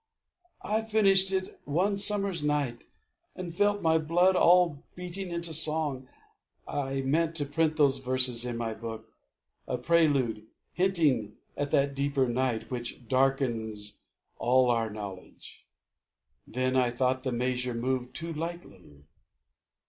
I finished it one summer's night, And felt my blood all beating into song. I meant to print those verses in my book, A prelude, hinting at that deeper night Which darkens all our knowledge. Then I thought The measure moved too lightly.